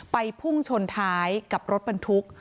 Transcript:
พุ่งชนท้ายกับรถบรรทุก